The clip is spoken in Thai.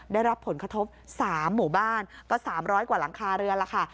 ได้รับผลกระทบ๓หมู่บ้านก็๓๐๐กว่าหลังคาเรือนแล้วค่ะ